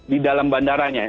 di dalam bandaranya